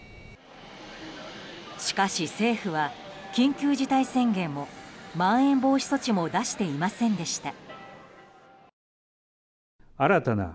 しかし、政府は緊急事態宣言もまん延防止措置も出していませんでした。